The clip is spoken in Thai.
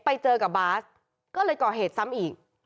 ไปเจอกับบาสก็เลยก่อเหตุซ้ำอีก